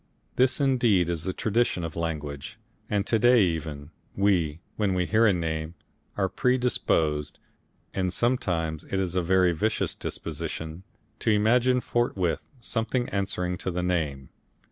This indeed is the tradition of language, and to day even, we, when we hear a name, are predisposed and sometimes it is a very vicious disposition to imagine forthwith something answering to the name.